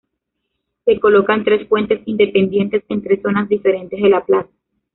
Se colocan tres fuentes independientes en tres zonas diferentes de la plaza.